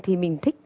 thì mình thích